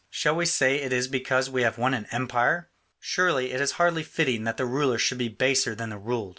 Shall we say it is because we have won an empire? Surely it is hardly fitting that the ruler should be baser than the ruled.